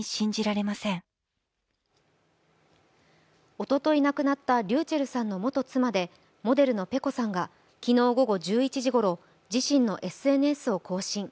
おととい亡くなったｒｙｕｃｈｅｌｌさんの元妻でモデルのｐｅｃｏさんが昨日午後１１時ごろ、自身のＳＮＳを更新。